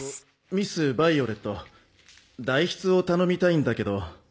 ミス・ヴァイオレット代筆を頼みたいんだけど。